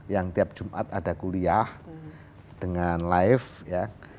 yang tiap jumat ada kuliah dengan live ya